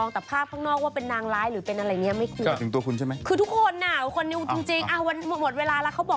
นัดเคลียร์ทำไมลอยาใช้กูแบบนัดตบ